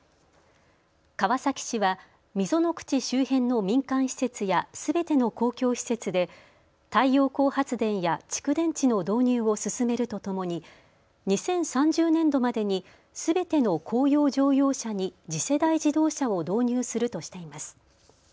川崎市は溝口周辺の民間施設やすべての公共施設で太陽光発電や蓄電池の導入を進めるとともに２０３０年度までにすべての公用乗用車に次世代自動車を導入するとしています。